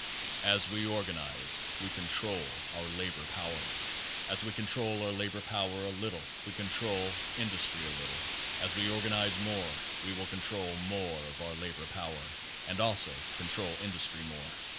As we organize we control our labor power. As we control our labor power a little we control industry a little ; as we organize more we will control more of our labor power, and also control industry more.